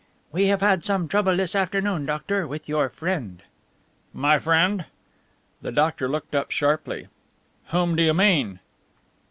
"We have had some trouble this afternoon, doctor, with your friend." "My friend?" The doctor looked up sharply. "Whom do you mean?"